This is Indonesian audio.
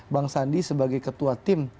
bang sandi sebagai ketua tim